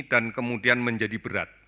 dan kemudian menjadi berat